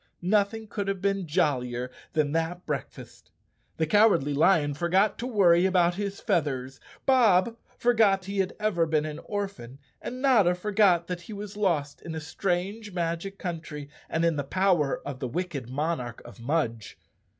Nothing could have been jollier than that breakfast. The Cowardly Lion forgot to worry about his feathers, Bob forgot he had ever been an orphan, and Notta for¬ got that he was lost in a strange magic country and in the power of the wicked monarch of Mudge.